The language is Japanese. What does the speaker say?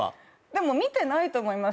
でも見てないと思います。